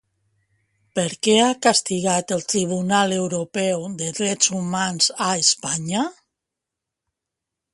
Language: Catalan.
Per què ha castigat el Tribunal Europeu de Drets Humans a Espanya?